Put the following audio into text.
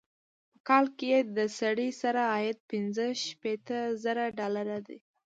په کال کې یې د سړي سر عاید پنځه شپيته زره ډالره دی.